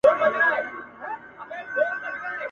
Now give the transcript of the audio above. هوښیاران چي پر دې لار کړي سفرونه ..